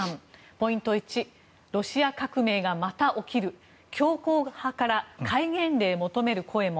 ポイント１ロシア革命がまた起きる強硬派から戒厳令求める声も。